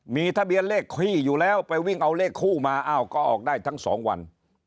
มีทะเบียนเลขขี้อยู่แล้วไปวิ่งเอาเลขคู่มาอ้าวก็ออกได้ทั้งสองวัน